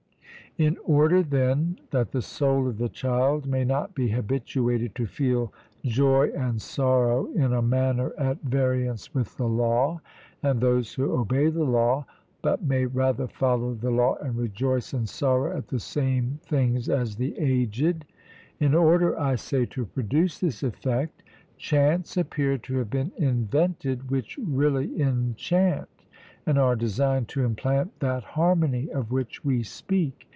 In order, then, that the soul of the child may not be habituated to feel joy and sorrow in a manner at variance with the law, and those who obey the law, but may rather follow the law and rejoice and sorrow at the same things as the aged in order, I say, to produce this effect, chants appear to have been invented, which really enchant, and are designed to implant that harmony of which we speak.